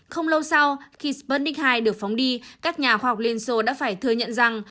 không lâu sau khi sputnik hai được phóng đi các nhà khoa học liên xô đã phải thừa nhận rằng